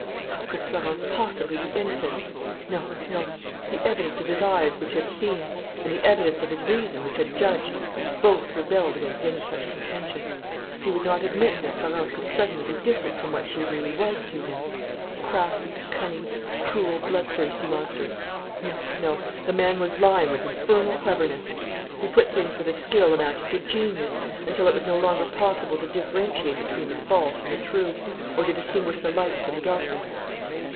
How could Florence possibly be innocent? No, no, the evidence of his eyes, which had seen, and the evidence of his reason, which had judged, both rebelled against any such contention. He would not admit that Florence could suddenly be different from what she really was to him: a crafty, cunning, cruel, blood thirsty monster. No, no, the man was lying with infernal cleverness. He put things with a skill amounting to genius, until it was no longer possible to differentiate between the false and the true, or to distinguish the light from the darkness.